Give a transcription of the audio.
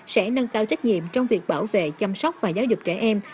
sẽ nâng cao trách nhiệm trong việc bảo vệ chăm sóc và giáo dục trẻ em